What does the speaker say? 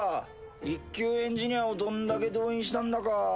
一級エンジニアをどんだけ動員したんだか。